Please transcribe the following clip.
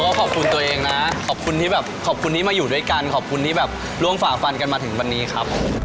ก็ขอบคุณตัวเองนะขอบคุณที่แบบขอบคุณที่มาอยู่ด้วยกันขอบคุณที่แบบร่วมฝ่าฟันกันมาถึงวันนี้ครับ